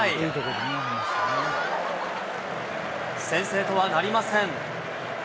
先制とはなりません。